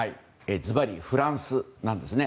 ずばりフランスなんですね。